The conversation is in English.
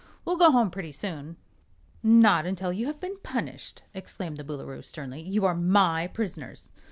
We'll go home, pretty soon." "Not until you have been punished!" exclaimed the Boolooroo, sternly. "You are my prisoners."